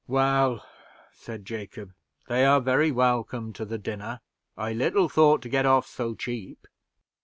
"Well," said Jacob, "they are very welcome to the dinner; I little thought to get off so cheap."